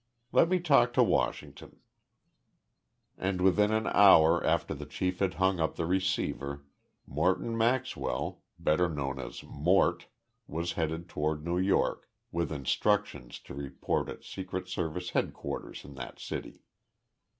Let me talk to Washington " And within an hour after the chief had hung up the receiver Morton Maxwell, better known as "Mort," was headed toward New York with instructions to report at Secret Service headquarters in that city.